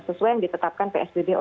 sesuai yang ditetapkan psbb